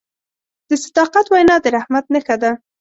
د صداقت وینا د رحمت نښه ده.